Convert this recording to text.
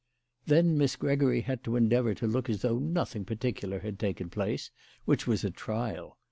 Then Miss Gregory had to endeavour to look as though nothing particular had taken place, which was a trial.